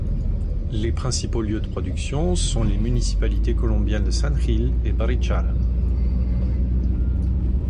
Les principaux lieux de production sont les municipalités colombiennes de San Gil et Barichara.